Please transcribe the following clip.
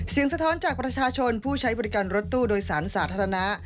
สะท้อนจากประชาชนผู้ใช้บริการรถตู้โดยสารสาธารณะ